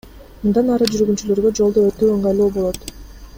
Мындан ары жүргүнчүлөргө жолду өтүү ыңгайлуу болот.